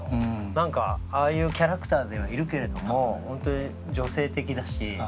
なんかああいうキャラクターではいるけれども本当に。